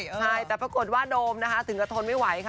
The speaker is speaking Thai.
ใช่แต่ปรากฏว่าโดมนะคะถึงก็ทนไม่ไหวค่ะ